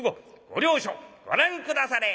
ご両所ご覧下され』。